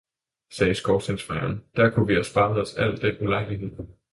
sagde skorstensfejeren, der kunne vi have sparet os al den ulejlighed!